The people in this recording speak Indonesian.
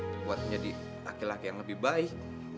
buat menjadi laki laki yang lebih baik